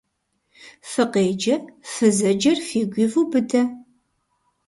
Фыкъеджэ, фызэджэр фигу ивубыдэ!